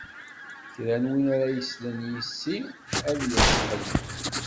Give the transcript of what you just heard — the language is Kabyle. Kra n win ara yeslen yis-i, ad yeḍṣ fell-i.